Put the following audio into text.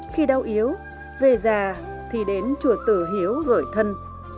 khi đau yếu về già thì đến chùa tử hiếu gửi thân